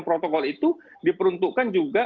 protokol itu diperuntukkan juga